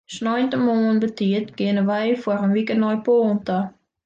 Sneintemoarn betiid geane wy foar in wike nei Poalen ta.